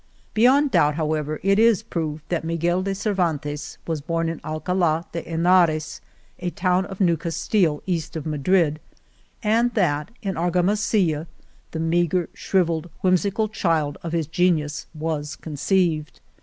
Beyond doubt, however, it is proved that Miguel de Cervan tes was bom in Alcaic de Henares, a town of New Castile, east of Madrid, and that in Ar gamasilla the meagre, shrivelled, whimsical" child of his genius was conceived.